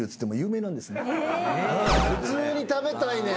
普通に食べたいねん。